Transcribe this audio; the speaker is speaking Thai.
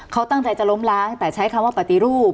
เขาตั้งใจจะล้มล้างแต่ใช้คำว่าปฏิรูป